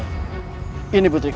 dan melakukan pembantaian